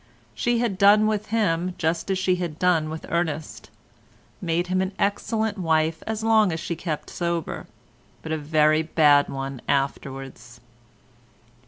She had done with him just as she had done with Ernest—made him an excellent wife as long as she kept sober, but a very bad one afterwards."